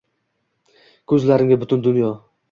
Ko’zlarimga butun dunyo